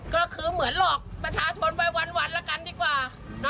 ก็คือเหมือนหลอกประชาชนไปวันละกันดีกว่า